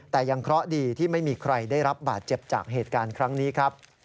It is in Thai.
แต่ยังเคราะห์ดีที่ไม่มีใครได้รับบาดเจ็บจากเหตุการณ์ครั้งนี้ครับ